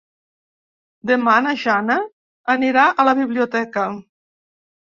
Demà na Jana anirà a la biblioteca.